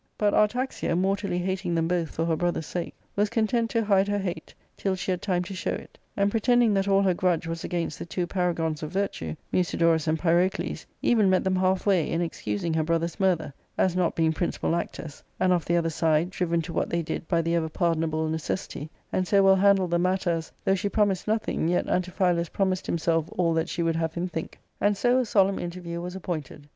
" But Artaxia, mortally hating them both for her brother's sake, was content to hide her hate till she had time to show V it ; and, pretending that all hergrudge was against the two paragons of virtue, Musidorus and Pyrocles, even met them half way in excusing her brother's murther, as not being prin cipal actors, and, of the other side, driven to what they did by the ever pardonable necessity, and so well handled the matter as, though she promised nothing, yet Antiphilus pro mised himself all that she would have him think. And so a solemn interview was appointed.